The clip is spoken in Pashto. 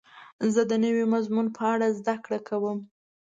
زه د نوي مضمون په اړه زده کړه کوم.